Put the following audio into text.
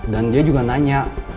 dan dia juga nanya